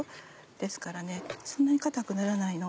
ですからそんなに硬くならないの。